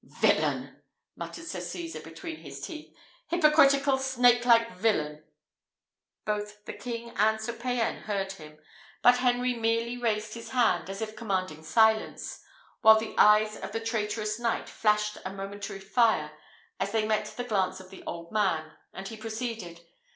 "Villain!" muttered Sir Cesar, between his teeth; "hypocritical, snake like villain!" Both the king and Sir Payan heard him; but Henry merely raised his hand, as if commanding silence, while the eyes of the traitorous knight flashed a momentary fire, as they met the glance of the old man, and he proceeded.